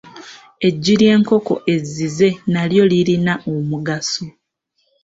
Eggi ly’enkoko ezzize nalyo lirirna omugaso.